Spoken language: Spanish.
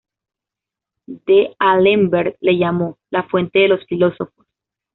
D'Alembert le llamó "La Fuente de los filósofos".